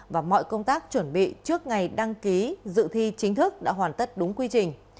và mọi công tác chuẩn bị trước ngày đăng ký dự thi chính thức đã hoàn tất đúng quy trình